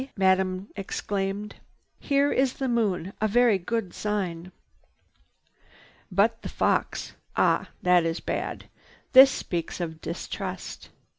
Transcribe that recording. Madame exclaimed. "Here is the Moon. A very good sign. "But the fox! Ah, this is bad! This speaks of distrust.